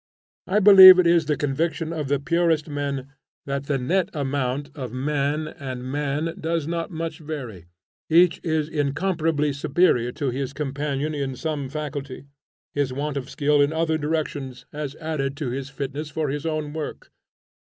I believe it is the conviction of the purest men, that the net amount of man and man does not much vary. Each is incomparably superior to his companion in some faculty. His want of skill in other directions has added to his fitness for his own work.